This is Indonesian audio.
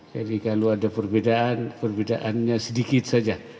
jadi kalau ada perbedaan perbedaannya sedikit saja